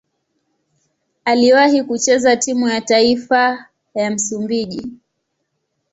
Aliwahi kucheza timu ya taifa ya Msumbiji.